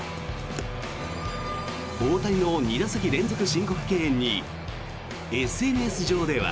大谷の２打席連続申告敬遠にＳＮＳ上では。